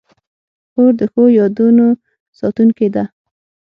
خور د ښو یادونو ساتونکې ده.